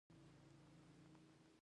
د نورو لخوا د احترام عامل بيا بهرنی وي.